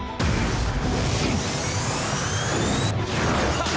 ハッ！